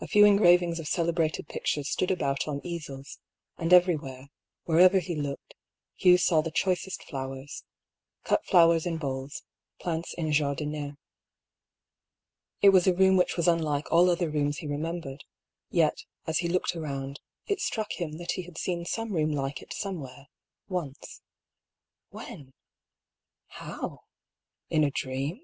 A few engravings of celebrated pictures stood about on easels ; and everywhere, wherever he looked, Hugh saw the choicest flowers ; cut flowers in bowls, plants in jardinieres. It was a room which was unlike all other rooms he remembered, yet, as he looked around, it struck him that he had seen some room like it some where, once. When ? How ? In a dream